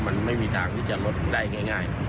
มันไม่มีทางที่จะลดได้ง่าย